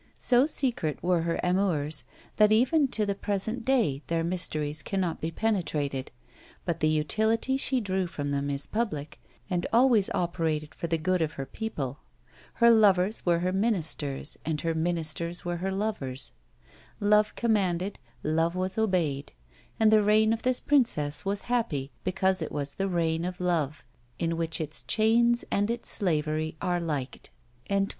So secret were her amours, that even to the present day their mysteries cannot be penetrated; but the utility she drew from them is public, and always operated for the good of her people. Her lovers were her ministers, and her ministers were her lovers. Love commanded, love was obeyed; and the reign of this princess was happy, because it was the reign of Love, in which its chains and its slavery are liked!"